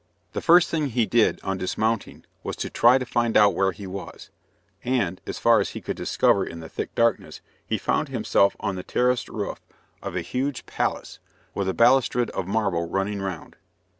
The first thing he did on dismounting was to try to find out where he was, and, as far as he could discover in the thick darkness, he found himself on the terraced roof of a huge palace, with a balustrade of marble running round.